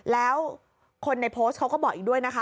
แล้วคนในโพสต์เขาก็บอกอีกด้วยนะคะ